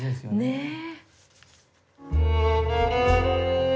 ねえ！